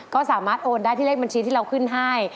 ก็สามารถโอนได้ที่เลขบัญชีที่เราขึ้นให้